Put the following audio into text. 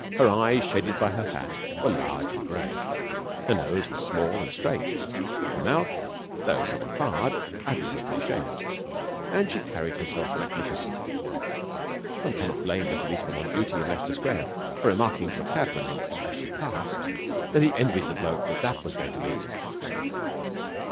Her eyes, shaded by her hat, were large and grey. Her nose was small and straight, her mouth, though somewhat hard, admirably shaped, and she carried herself magnificently. One cannot blame the policeman on duty in Leicester Square for remarking to a cabman as she passed that he envied the bloke that that was going to meet.